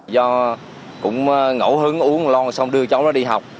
do cũng ngẫu hứng uống một lon xong đưa cháu đó đi học